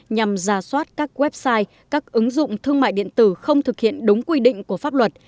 nhằm ra soát các website các ứng dụng thương mại điện tử không thực hiện đúng quy định của pháp luật